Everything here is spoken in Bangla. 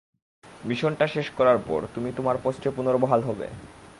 মিশনটা শেষ করার পর, তুমি তোমার পোষ্টে পূনর্বহাল হবে।